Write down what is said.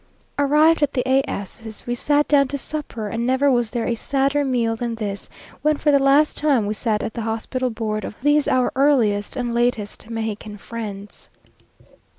Arrived at the A 's, we sat down to supper, and never was there a sadder meal than this, when for the last time we sat at the hospitable board of these our earliest and latest Mexican friends.